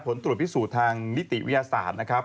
ผลตรวจพิสูจน์ทางนิติวิทยาศาสตร์นะครับ